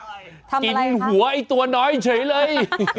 ทำอะไรครับกินหัวไอ้ตัวน้อยเฉยเลย